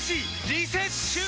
リセッシュー！